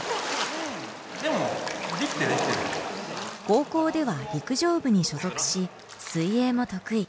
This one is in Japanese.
高校では陸上部に所属し水泳も得意。